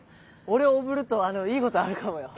俺をおぶるといいことあるかもよ。